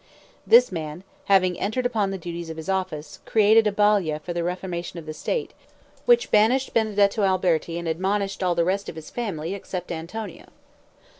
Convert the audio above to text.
This man, having entered upon the duties of his office, created a Balia for the reformation of the state, which banished Benedetto Alberti and admonished all the rest of his family except Antonio.